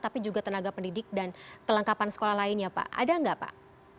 tapi juga tenaga pendidik dan kelengkapan sekolah lainnya pak ada nggak pak